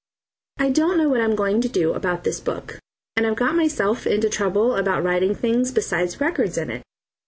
I don't know what I'm going to do about this book, and I've got myself into trouble about writing things besides records in it.